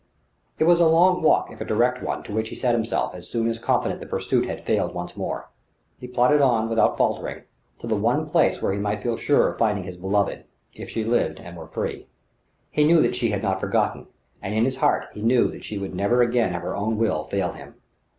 It was a long walk if a direct one to which he set himself as soon as confident the pursuit had failed once more. He plodded on, without faltering, to the one place where he might feel sure of finding his beloved, if she lived and were free. He knew that she had not forgotten, and in his heart he knew that she would never again of her own will fail him....